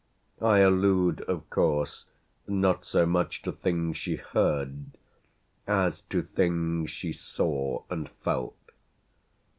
I allude of course not so much to things she heard as to things she saw and felt.